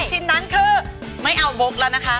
ชิ้นนั้นคือไม่เอาบกแล้วนะคะ